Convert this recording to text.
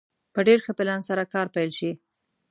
په ډېر ښه پلان سره کار پيل شي.